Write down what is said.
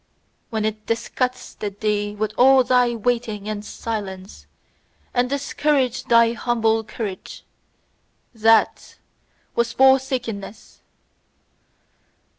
When it disgusted thee with all thy waiting and silence, and discouraged thy humble courage: THAT was forsakenness!"